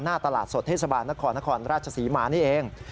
หน้าตลาดสดเทศบาลนครนครราชศรีมานี่เอง